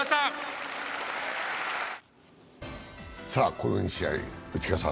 この２試合、内川さん